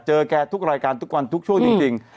แกทุกรายการทุกวันทุกช่วงจริง